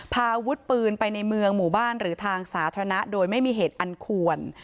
พาอาวุธปืนไปในเมืองหมู่บ้านหรือทางสาธารณะโดยไม่มีเหตุอันควร